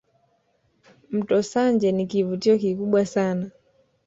Mto Sanje ni kivutio kikubwa sana